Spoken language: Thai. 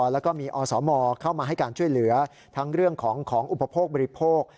แล้วก็มีอสมเข้ามาให้การช่วยเหลือทั้งเรื่องของอุปโภคบริโภค